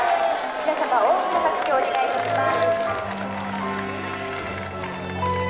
皆様大きな拍手をお願いいたします」。